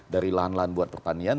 dari lahan lahan buat pertanian